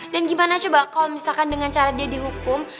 dan gimana coba kalo misalkan dengan cara dia dihukum